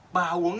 bà uống ý